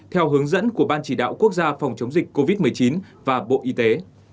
theo hướng dẫn của ban chỉ đạo quốc gia phòng chống dịch covid một mươi chín và bộ y tế